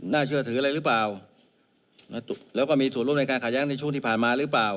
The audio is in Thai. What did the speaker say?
เชื่อถืออะไรหรือเปล่าแล้วก็มีส่วนร่วมในการขาแย้งในช่วงที่ผ่านมาหรือเปล่า